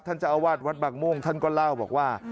เจ้าอาวาสวัดบางม่วงท่านก็เล่าบอกว่า